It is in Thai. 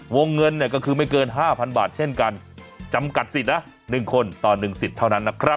วงเงินเนี่ยก็คือไม่เกิน๕๐๐บาทเช่นกันจำกัดสิทธิ์นะ๑คนต่อ๑สิทธิ์เท่านั้นนะครับ